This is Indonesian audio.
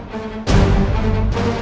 kemana paman anggajar